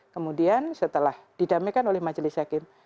kemudian setelah didamaikan oleh majelis hakim